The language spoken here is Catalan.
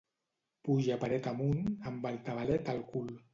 Puja paret amunt, amb el tabalet al cul.